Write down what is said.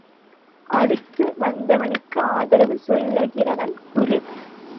அடுத்து வந்தவனுக்கு ஆதரவு சொல்கிறவன் குரு.